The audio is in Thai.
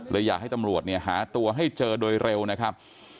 อยากให้ตำรวจเนี่ยหาตัวให้เจอโดยเร็วนะครับ